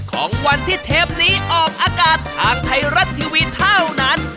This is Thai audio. ของวันที่เทปนี้ออกอากาศทางไทยรัฐทีวีเท่านั้น